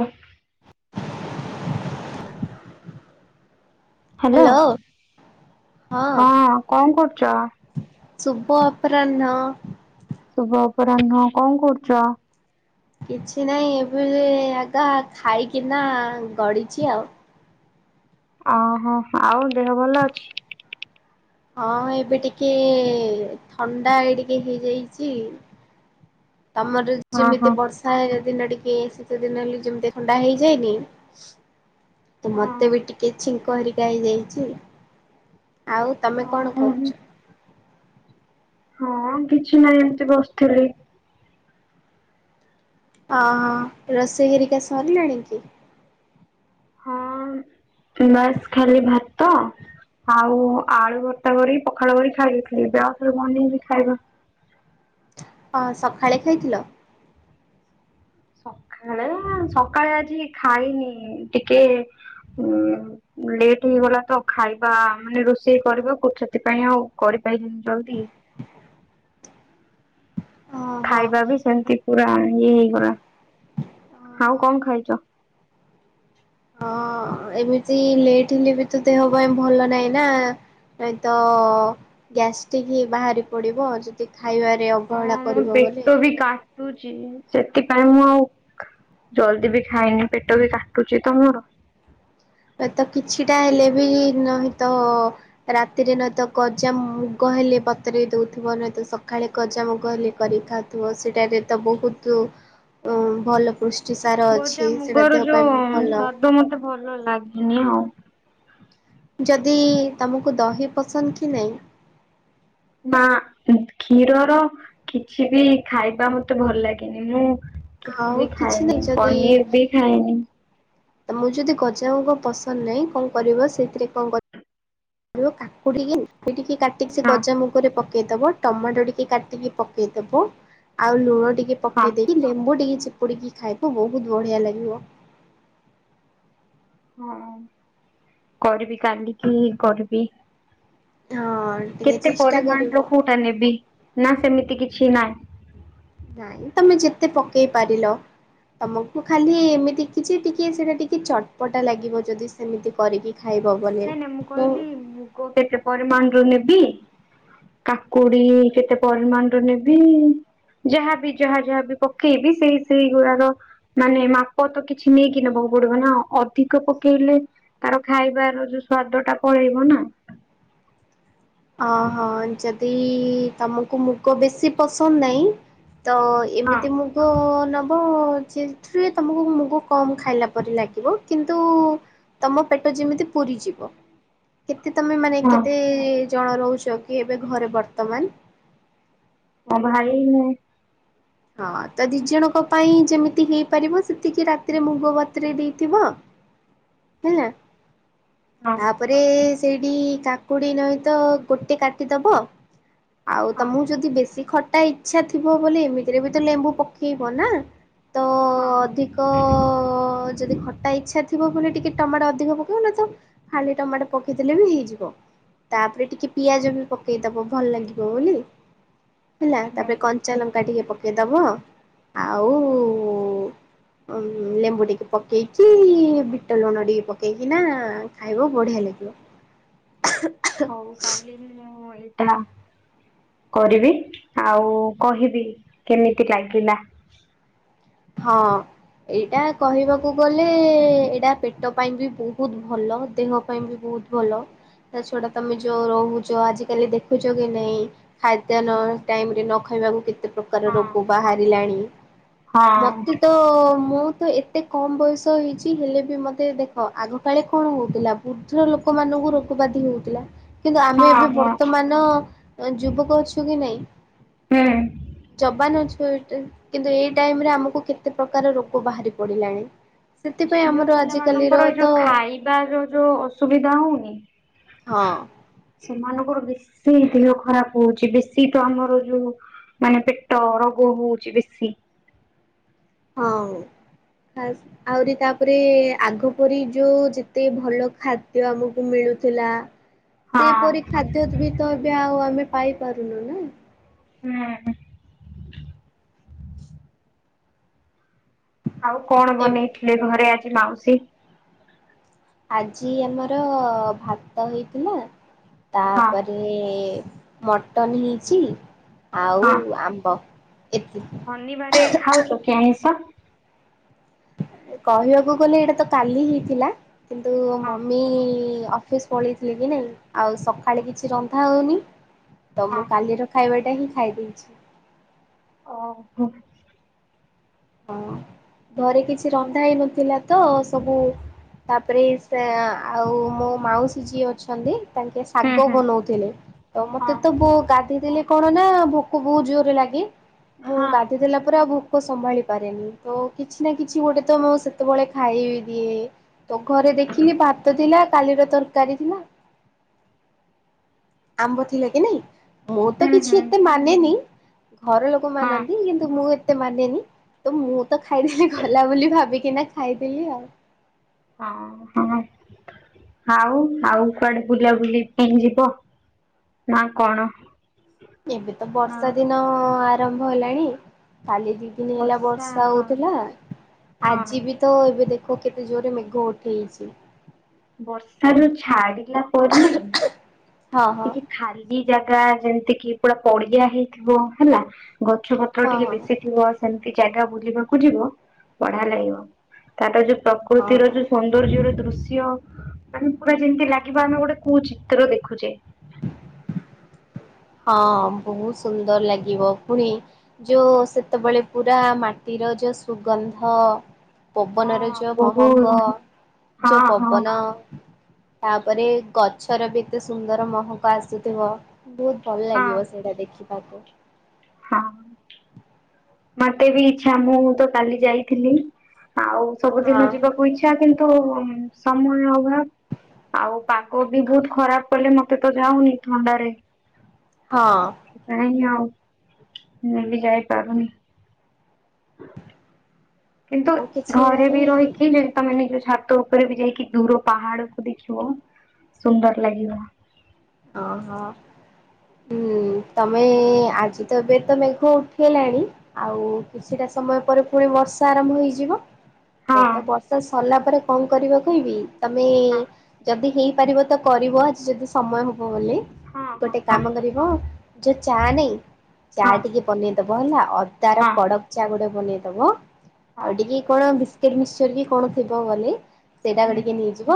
ଉଁ hello hello ହଁ କଣ କରୁଚ? ଶୁଭ ଅପରାହ୍ନ। ଶୁଭ ଅପରାହ୍ନ କଁ କରୁଚ? କିଛି ନାହିଁ ଏବେ ସେ ଆଗା ଖାଇକିନା ଗଡିଚି ଆଉ। ଆହା ଆଉ ଦେହ ଭଲ ଅଛି? ହଁ ଏବେ ଟିକେ ଥଣ୍ଡା ଏଇ ଟିକେ ହେଇଯାଇଚି। ତମର ହଁ ହଁ। ଯେମିତି ବର୍ଷା ହେରା ଦିନେ ଟିକେ ଶୀତ ଦିନ ହେଲେ ଯେମିତି ଥଣ୍ଡା ହେଇଯାଏନି ତ ମତେ ବି ଟିକେ ଛିଙ୍କ ହେରିକା ହେଇ ଯାଇଚି। ଆଉ ତମେ କଣ ଓହୋ କରୁଚ? ହଁ କିଛି ନାହିଁ ଏମିତି ବସିଥିଲି। ଆହା ରୋଷେଇ ଘରିକା ସରିଲାଣି କି? ହଁ ବାସ୍ ଖାଲି ଭାତ ଆଉ ଆଳୁ ଭର୍ତ୍ତା କରି ପଖାଳ କରି ଖାଇ ଦେଇଥିଲି ଗ୍ୟାସ୍ ରେ ବନେଇକି ଖାଇବା। କଁ ସକାଳେ ଖାଇଥିଲ? ସଖାଳେ ସକାଳେ ଆଜି ଖାଇନି ଟିକେ ଉଁ ଲେଟ୍ ହେଇଗଲା ତ ଖାଇବା ମାନେ ରୋଷେଇ କରିବାକୁ ସେଥିପାଇଁ ଆଉ କରିପାରିଲିନି ଜଲଦି। ଓହୋ। ଖାଇବା ବି ସେମିତି ପୁରା ଇଏ ହେଇଗଲା। ଆଉ ଓହୋ କଣ ଖାଇଚ? ହଁ ଏମିତି ଲେଟ୍ ହେଲେ ବି ତ ଦେହ ପାଇଁ ଭଲ ନାହିଁ ନା। ନାହିଁତ ଗ୍ୟାସ୍ଟିିକ ହିଁ ବାହାରି ପଡିବ ଯଦି ଖାଇବାରେ ଅ ହଁ ମୋ ପେଟ ବି କା ଚି ସେଥିପାଇଁ ମୁଁ ଆଉ ଜଲଦି ବି ଖାଇନି ପେଟ ବି କାଟୁଚି ତ ମୋର। ଏ ତ କିଛିଟା ହେଲେ ବି ନାହିଁ ତ ରାତିରେ ନହେତ ଗଜା ମୁଗ ହେଲେ ବତୁରେଇ ଦୋଉଥିବ ନହୁତ ସକାଳେ ଗଜା ମୁଗ ହେଲେ କରି ଖା ଉଥିବ ସେଟାରେ ତମକୁ ତୁ ଉଁ ଭଲ ପୃ ଗଜା ମୁଗର ଯୋଉ ସ୍ଵାଦ ମତେ ଭଲ ଲାଗେନି ଆଉ। ଯଦି ତୁମକୁ ଦହି ପସନ୍ଦ କି ନାଇଁ? ନା କ୍ଷୀରର କିଛି ବି ଖାଇବା ମତେ ଭଲ ଲାଗେନି। ମୁଁ କିଛି ଆଉ ବି କିଛି ନାହିଁ ଖାଏନି ଯଦି ପନିର ବି ଖାଏନି। ତମକୁ ଯଦି ଗଜାମୁଗ ପସନ୍ଦ ନାଇଁ କଣ କରିବ ସେଥିରେ କଣ କ ରିବ କାକୁଡିକି ଟିକି ଟିକି କାଟିକି ସେ ହଁ ଗଜା ମୁଗରେ ପକେଇଦବ। ଟମାଟ ଟିକେ କାଟିକି ପକେଇଦବ ଆଉ ଲୁଣ ଟିକେ ହଁ ପକେଇ ଦେଇ କି ଲେମ୍ବୁ ଟିକେ ଚିପୁଡିକି ଖାଇବ ବୋହୁତ ବଢିଆ ଲାଗିବ। ହଁ କରିବି କାଲିକି କରିବି। ହଁ। ଟିକେ କେତେ ଚେଷ୍ଟା କରିବ ପରିମାଣର କୋଉଟା ନେବି ନା ସେମିତି କିଛି ନା ନାଇଁ ତମେ ଯେତେ ପକେଇ ପାରିଲ। ତମକୁ ଖାଲି ଏମିତି କିଛି ଟିକେ ସେଇଟା ଟିକେ ଚଟପଟା ଲାଗିବ ଯଦି ସେମିତି କରିକି ଖାଇବ ବନେଇବ। ମୁଁ କୋଉଟା କେତେ ପରିମାଣର ନେବି? କାକୁଡି କେତେ ପରିମାଣର ନେବି? ଯାହା ବି ଯାହା ଯାହା ବି ପକେଇବି ସେଇ ସେଇ ଗୁଡାର ମାନେ ମାପ ତ କିଛି ନେଇକି ନେବାକୁ ପଡିବ ନା ଅଧିକ ପକେଇଲେ ତାର ଖାଇବାର ସ୍ଵାଦଟା ପଳେଇବ ନା। ଅଂ ହଁ ଯଦି ତମକୁ ମୁଗ ବେଶୀ ପସନ୍ଦ ନାଇଁ। ତ ହଁ ଏମିତି ମୁଗ ନେବ ଯେ ଏଥିରେ ତମକୁ ମୁଗ କମ୍ ଖାଇଲା ପରି ଲାଗିବ କିନ୍ତୁ ତମ ପେଟ ଯେମିତି ପୁରିଯିବ। କେତେ ତମେ ମାନେ ହଁ କେତେ ଜଣ ରହୁଚ କି ଏବେ ଘରେ ବର୍ତ୍ତମାନ? ମୋ ଭାଇ ମୁଁ। ହଁ ତ ଦି ଜଣଙ୍କ ପାଇଁ ଯେମିତି ହେଇପାରିବ ସେତିକି ରାତିରେ ମୁଗ ଭତୁରେଇ ଦେଇଥିବ। ହେଲା। ହଁ ତାପରେ ସେଇଠି କାକୁଡି ନାଇ ତ ଗୋଟେ କାଟିଦବ। ଆଉ ହଁ ତମକୁ ଯଦି ବେଶୀ ଖଟା ଇଚ୍ଛା ଥିବ ବୋଲି ଏମି ଏଥିରେ ବି ତ ଲେମ୍ବୁ ପକେଇବ ନା ତ ହଁ ଅଧିକ ଯଦି ଖ ଟା ଇଚ୍ଛା ଥିବ ବୋଲି ଟିକେ ଟମାଟ ଅଧିକ ପକେଇବ ନାଁ ତ ଖାଲି ଟମାଟ ପକେଇ ଦେଲେ ବି ହେଇଯିବ। ତାପରେ ଟିକେ ପିଆଜ ବି ପକେଇଦବ ଭଲ ଲାଗିବ ବୋଲି। ହେଲା ତାପରେ କଞ୍ଚା ଲଙ୍କା ଟିକେ ପକେଇଦବ ଆଉ ଲେମ୍ବୁ ଟିକେ ପକେଇକି ବିଟ ଲୁଣ ଟିକେ ପକେଇକି ନା ଖାଇବ ବଢିଆ ଲାଗିବ। ହଉ କାଲି ମୁଁ ଏଇଟା କରିବି ଆଉ କହିବି କେମିତି ଲାଗିଲା। ହଁ। ଏଇଟା କହିବାକୁ ଗଲେ ଏଇଟା ପେଟ ପାଇଁ ବି ବହୁତ ଭଲ ଦେହ ପାଇଁ ବି ବହୁତ ଭଲ ତା ଛଡ଼ା ତମେ ଯେଉ ରହୁଛ, ଆଜିକାଲି ଦେଖୁଛ କି ନାହିଁ। ଖାଦ୍ୟ ଟାଇମରେ ନ ଖାଇବାକୁ କେତେ ପ୍ରକାର ହଁ ରୋଗ ବାହାରିଲାଣି। ହଁ ମତେ ତ, ମୁଁ ତ ଏ ଏତେ କମ୍ ବୟସ ହେଇଛି ହେଲେ ବି ମୋତେ ଦେଖ ଆଗକାଳେ କଣ ହେଉଥିଲା। ଉଦ୍ଧ୍ର ଲୋକମାନଙ୍କୁ ରୋଗବାଧି ହେଉଥିଲା। କିନ୍ତୁ ଆମେ ହଁ ଏବେ ହଁ ବର୍ତ୍ତମାନ, ଯୁବକ ଅଛୁ କି ନାଇଁ। ହଁ। ଜବାନ ଅଛ କିନ୍ତୁ ଏଇ ଟାଇମରେ ଆମକୁ କେତେ ପ୍ରକାର ରୋଗ ବାହାରି ପଡିଲାଣି। ସେଥିପାଇଁ ଝିଅ ଆମର ପିଲା ଆଜିକାଲିର ମାନଙ୍କର ଏଇ ତ ଯୋଉ ଖାଇବାର ଯୋଉ ଅସୁବିଧା ହଉନି। ହଁ। ସେମାନଙ୍କର ବେଶୀ ଦେହ ଖରାପ ହଉଛି ବେଶୀ ତ ଆମର ଯୋଉ ମାନେ ପେଟ ରୋଗ ହଉଛି ବେଶୀ। ହଁ ଆ ଆହୁରି ତାପରେ ଆଗ ପରି ଯୋଉ ଯେତେ ଭଲ ଖାଦ୍ୟ ଆମକୁ ମିଳୁଥିଲା। ସେପରି ହଁ। ଖାଦ୍ୟ ବି ତ ଏବେ ଆଉ ଆମେ ପାଇପାରୁନୁ ନା। ହୁଁ। ଆଉ କଣ ଏ ବନେଇଥିଲେ ଘରେ ଆଜି ମାଉସୀ। ଆଜି ଆମର ଭାତ ହେଇଥିଲା ହଁ। ତାପରେ ମଟନ ହେଇଛି ଆଉ ଆମ୍ବ ଏତି। ଧନ ବାଡେ ଖାଉଛ କି ଆମିଷ। କହିବାକୁ ଗଲେ ଏଇଟା ତ କାଲି ହେଇଥିଲା କିନ୍ତୁ ହଁ ମମି ଅିସ୍ ପଳେଇଥିଲି କି ନାଇଁ ଆଉ ସକାଳେ ହଁ। କିଛି ରନ୍ଧା ହଉନି ତ ହଁ ମୁଁ କାଲି ର ଖାଇବାଟା ହିଁ ଖାଇ ଦେଇଛି। କ ହ ହଁ ଘରେ କିଛି ରନ୍ଧା ହେଇନଥିଲା ତ ସବୁ ତାପରେ ସେ ଆଁ ମୋ ମାଉସୀ ଯିଏ ଅଛନ୍ତି ତାଙ୍କେ ହୁଁ ଶାଗ ହୁଁ। ବନଉଥିଲେ। ତ ମତେ ହଁ ତ ବ ଗାଧେଇ ଦେଲେ କଣ ନା ଭୋକ ବହୁତ ଜୋରରେ ଲାଗେ ମୁଁ ହଁ ଗାଧେଇ ଦେଲା ପରେ ଆଉ ଭୋକ ସମ୍ଭାଳି ପାରେନି ତ କିଛି ନା କିଛି ଗୋଟେ ତ ମୁଁ ସେତବଳେ ଖାଇ ଦିଏ। ତ ଘରେ ଦେଖିଲି ଭାତ ଥିଲା କାଲିର ତରକାରୀ ଥିଲା। ଆମ୍ବ ଥିଲା କି ନାଇଁ ମୁଁ ତ ହୁଁ କିଛି ହୁଁ। ଏତେ ମାନେନି ଘର ଲୋ କ ହଁ ମାନନ୍ତି କିନ୍ତୁ ମୁଁ ଏତେ ମାନେନି। ତ ମୁଁ ତ ଖାଇଦେଲିି ଗଲା ବୋଲି ଭାବିକି ନା ଖାଇଦେଲି ଆଉ। ହଁ ହଁ ଆଉ ଆଉ କୁଆଡେ ବୁଲାବୁଲି ପାଇଁ ଯିବ। ନାଁ କଣ ଏବେ ତ ନା ବର୍ଷା ଦିନ ଆରମ୍ଭ ହେଲାଣି କାଲି ଯି ଦିନି ହେଲା ବର୍ଷା ହଉଥିଲା ହଁ ଆଜି ବି ତ ଏବେ ଦେଖ କେତେ ଜୋରରେ ମେଘ ଉଠେଇଚି। ବର୍ଷା ରୁ ଛାଡିଲା ପରେ ନାଇଁ ହଁ ହଁ ଟିକେ ଖାଲି ଜାଗା ଯେମତି କି ପୁରା ପଡିଆ ହେଇଥିବ ହେଲା ଗଛ ପତ୍ର ହଁ ଟିକେ ବେଶୀ ଥିବ ସେମତି ଜାଗା ବୁଲିବାକୁ ଯିବ ବଢିଆ ଲାଗିବ ତାର ଯୋଉ ହଁ ପ୍ରକୃତିର ହଁ ଯୋଉ ସୌନ୍ଦର୍ଯ୍ୟ ର ଦୃଶ୍ୟ। ମାନେ ପୁରା ଯେମତି ଲାଗିବ ଆମେ ଗୋଟେ କୋଉ ଚିତ୍ର ଦେଖୁଚେ। ହଁ ବହୁତ ସୁନ୍ଦର ଲାଗିବ ପୁଣି। ଯୋଉ ସେତବଳେ ପୁରା ମାଟିର ଯୋଉ ସୁଗନ୍ଧ ପବନ ହଁ ଯଉ ମହକ ବହୁତ ଯଉ ହଁ ହଁ ପବନ। ତାପରେ ଗଛର ବି ତ ସୁନ୍ଦର ମହକ ଆସୁଥିବ ବ ଭଲ ହଁ ଲାଗିବ ସେଇଟା ଦେଖିବାକୁ। ହଁ ମତେ ବି ଇଛା ମୁଁ ତ କାଲି ଯାଇଥିଲି ଆଉ ସବୁଦିନ ହଁ ଯିବାକୁ ଇ ଛା କିନ୍ତୁ ସମୟ ଅଭାବ। ଆଉ ପାଗ ବି ବହୁତ ଖରାପ କଲେ ମତେ ତ ଯାଉନି ଥଣ୍ଡାରେ। ହଁ ଖେ ପାଇଁ ଆଉ ମୁଁ ବି ଯାଇପାରୁନି। କିନ୍ତୁ ଆଉ କିଛି ଘରେ ବି ନାହିଁ ରହିକି ତମେ ନେଇକି ଛାତ ଉପରେ ବି ଯାଇକି ଦୂର ପାହାଡକୁ ଦେଖିବ ସୁନ୍ଦର ଲାଗିବ। ଅହ ହୁଁ ତମେ ଆଜି ତ ଏବେ ତ ମେଘ ଉଠେଇଲାଣି। ଆଉ କିଛିଟା ସମୟ ପରେ ପୁଣି ବର୍ଷା ଆରମ୍ଭ ହେଇଯିବ। ଏ ହଁ ତ ବର୍ଷା ସରଲା ପରେ କଣ କରିବା କହିବି ତମେ ହଁ ଯଦି ହେଇପାରିବ ତ କରିବ ଯଦି ସମୟ ହବ ବୋଲି। ହଁ ଗୋଟେ ହଁ କାମ କରିବ ଯେ ଚା ନାଇଁ ହଁ ଚା ହଁ ଟିକେ ବନେଇ ଦବ ହେଲା ଅ ତାର ହଁ କଡ଼କ ଚା ଗୋଟେ ବନେଇଦବ ଆଉ ହଁ ଟିକେ କଣ ବିସ୍କିଟ୍ ମିକ୍ସଚର୍ କି କଣ ଥିବ ବୋଲି ସେଇଟାକୁ ହୁଁ ଟିକେ ନେଇଯିବ।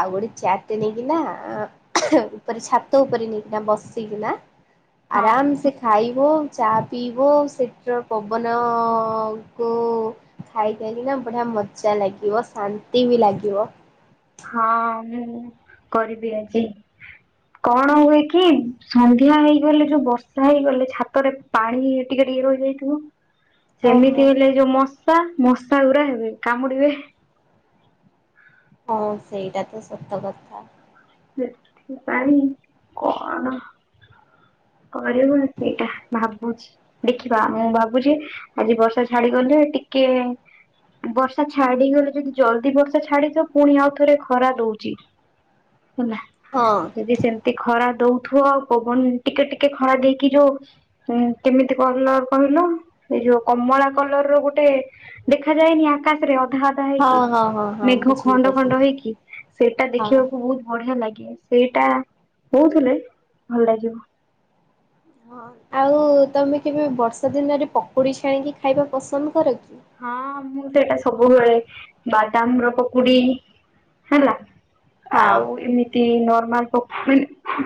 ଆଉ ଗୋଟେ ଚାଟ ଟେ ନେଇକି ନା କହିଲି ଛାତ ଉପରେ ନେଇକିନା ବସିକିନା ହଁ ଆରାମ ସେ ଖାଇବ ଚା ପିଇବ ସେଥିର ପବନ କୁ ଖାଇଦେଲେ ନା ବଢିଆ ମଜା ଲାଗିବ ଶାନ୍ତି ବି ଲାଗିବ। ହଁ ମୁଁ କରିବି ଆଜି। କଣ ହୁଏ କି ସନ୍ଧ୍ୟା ହେଇଗଲେ ଯୋଉ ବର୍ଷା ହେଇଗଲେ ଛାତରେ ପାଣି ଟିକେ ଟିକେ ରହିଯାଇଥିବ। ହଁ ହଁ ସେମିତି ହେଲେ ଯୋଉ ମଶା ମଶା ଗୁରା ହେବେ କାମୁଡିବେ। ହଁ ସେଇଟା ତ ସତ କଥା। ସେଠି ପାଇଁ କଣ। କରିବ ସେଇଟା ଭାବୁଛି। ଦେଖିବା ମୁଁ ଭାବୁଛି ଆଜି ବର୍ଷା ଛାଡିଗଲେ ଟିକେ ବର୍ଷା ଛାଡିଗଲେ ଯଦି ଜଲ୍ଦି ବର୍ଷା ଛାଡିଜିବ ପୁଣି ଆଉ ଥରେ ଖରା ଦଉଛି। ହେଲା। ହଁ। ଯଦି ସେମିତି ଖରା ଦଉଥିବ ଆଉ ପବନ ଟିକେ ଟିକେ ଖରା ଦେଇକି ଯଉ ହଁ କେମିତି କଲର କହିଲ ଏଇ ଯୋଉ କମଳା କଲର ର ଗୋଟେ ଦେଖାଯାଏନି ଆକାଶରେ ଅଧା ଅ ପା ହେଇକି ହଁ ହଁ ହଁ ହଁ ମେଘ ବୁଝିଲି ଖଣ୍ଡ ବୁଝିଲି ଖଣ୍ଡ ହେଇକି ସେଇଟା ହଁ ହଁ ଦେଖିବାକୁ ବହୁତୁ ବଢିଆ ଲାଗେ ସେଇଟା ହଉଥିଲେ ଭଲ ଲାଗିବ। ହଁ ଆଉ ତମେ କେବେ ବର୍ଷା ଦିନରେ ପକୁଡ଼ି ଛାଣିକି ଖାଇବା ପସନ୍ଦ କର କି? ହଁ ମୁଁ ତ ଏଇଟା ସବୁବେଳେ ବାଦାମ ର ପକୁଡି ହେଲା ହଁ ଆଉ ଏମିତି ନର୍ମାଲ ପକୁଡି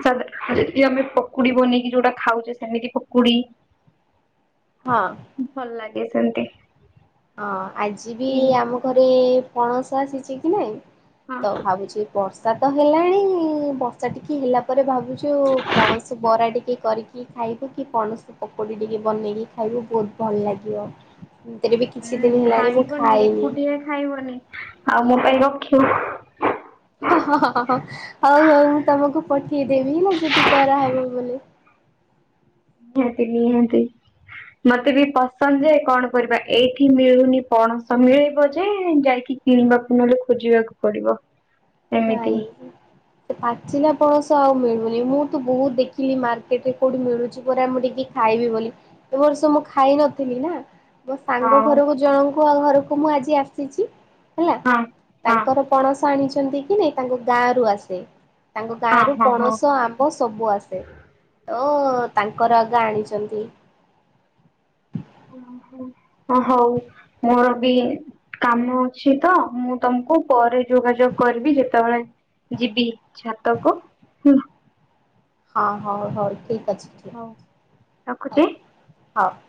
ଯଦି ଆମେ ପକୁଡି ବନେଇକି ଯୋଉଟା ଖାଉଛେ ସେମିତି ପକୁଡି ହଁ। ଭଲ ଲାଗେ ସେମତି। ହଁ ଆଜି ବି ଆମ ଘରେ ପଣସ ଆସିଛି କି ନାଇଁ ତ ହଁ ଭାବୁଛି ବର୍ଷା ତ ହେଲାଣି ବର୍ଷା ଟିକେ ହେଲା ପରେ ଭାବୁଛୁ ପଣସ ବରା ଟିକେ କରିକି କି ଖାଇବୁ କି କୋଣସି ପକୋଡ଼ି ଟିକେ ବନେଇକି ଖାଇବୁ ବହୁତ ଭଲ ଲାଗିବ ସେମିତି ରେବି କିଛି ଉଁ ଦିନ ହେଲାଣି ମୁଁ ଖାଇବନି ଖାଇନି। ଏକୁଟିଆ ଖାଇବନି ଆଉ ମୋ ପାଇଁ ରଖିବ। ହ ହ ହ ହ ହ ହଉ ହଉ ମୁଁ ତମକୁ ପଠେଇଦେବି ହେଲା ଯଦି କରାହେବ ବୋଲି ନିହାତି ନିହାତି। ମତେ ବି ପସନ୍ଦ ଯେ କଣ କରିବା ଏଇଠି ମିଳୁନି ପଣସ ମିଳିବ ଯେ ଯାଇକି କିବାକୁ ନହେଲେ ଖୋଜିବାକୁ ପଡିବ। ଏମିତି ଯାଇ ନି। ସେ ପାଚିଲା ପଣସ ଆଉ ମିଳୁନି। ମୁଁ ତ ବହୁତ ଦେଖିଲି ମାର୍କେଟ ରେ କୋଉଠି ମିଳୁଛି ପୁରା ମୁଁ ଟିକେ ଖାଇବି ବୋଲି ଏ ବର୍ଷ ମୁଁ ଖାଇ ନଥିଲି ନା। ମୋ ସାଙ୍ଗ ହଁ ଘରକୁ ଜଣଙ୍କୁ ଆ ଘରକୁ ମୁଁ ଆଜି ଆସିଛି ହେଲା। ହଁ ହଁ ତାଙ୍କର ପଣସ ଆଣିଛନ୍ତି କି ନାଇ ତାଙ୍କ ଗାଁ ରୁ ଆସେ ତାଙ୍କ ହଁ ଗାଁରୁ ହଁ ହଁ। ପଣସ ଆମ ବ ସବୁ ଆସେ ତ ତାଙ୍କର ଆଗା ଆଣିଛନ୍ତି। ଓ ହଉ ମୋର ବି କାମ ଅଛି ତ ମୁଁ ତମକୁ ପରେ ଯୋଗାଯୋଗ କରିବି। ଯେତେବେଳେ ଯିବି ଛାତକୁ ହୁଁ। ହଁ ହଉ ହେଉ ଠିକ୍ ଅଛି ଠିକ ହଉ। ଅଛି ହଉ ରଖୁଛି। ହଉ।